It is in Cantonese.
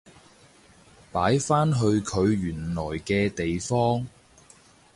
擺返去佢原來嘅地方